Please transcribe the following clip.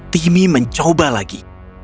timmy mencoba lagi